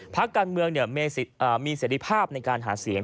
พลังกลางเมืองเนี่ยมีเสร็จสินภาพในการหาเสียง